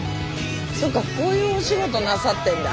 そっかこういうお仕事なさってんだ。